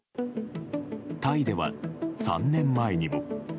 タイでは３年前にも。